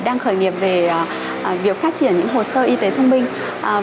đang khởi nghiệp về việc phát triển những hồ sơ y tế thông minh